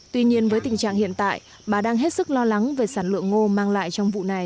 tuy nhiên với tình trạng hiện tại bà đang hết sức lo lắng về sản lượng ngô mang lại trong vụ này